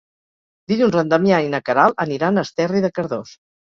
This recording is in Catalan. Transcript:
Dilluns en Damià i na Queralt aniran a Esterri de Cardós.